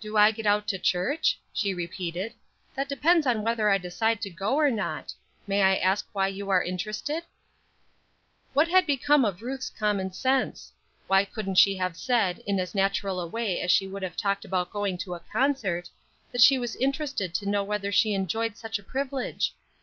"Do I get out to church?" she repeated. "That depends on whether I decide to go or not. May I ask why you are interested?" What had become of Ruth's common sense? Why couldn't she have said, in as natural a way as she would have talked about going to a concert, that she was interested to know whether she enjoyed such a privilege?